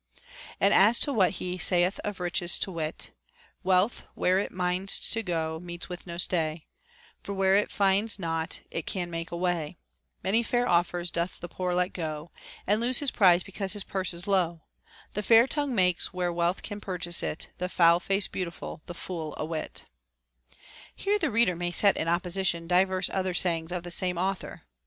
And as to what he saith of riches, to wit : Wealth, where it minds to go, meets with no stay ; For where it finds not, it can make a way ; Many fair offers doth the poor let go, And lose his prize because his purse is low ; The fair tongue makes, where wealth can purchase it, The foul face beautiful, the fool a wit :— here the reader may set in opposition divers other sayings of the same author.